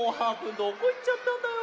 どこいっちゃったんだよ。